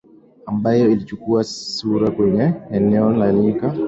ambayo ilichukua sura kwenye eneo la nyika za Kaskazini